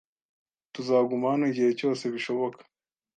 Tuzaguma hano igihe cyose bishoboka.